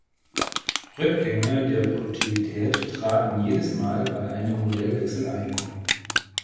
Rückgänge der Produktivität traten jedes Mal bei einem Modellwechsel ein.